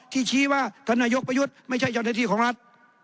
ชี้ว่าท่านนายกประยุทธ์ไม่ใช่เจ้าหน้าที่ของรัฐ